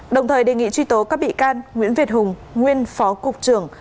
đồng thời đề nghị truy tố các bị can nguyễn việt hùng nguyên phó cục trưởng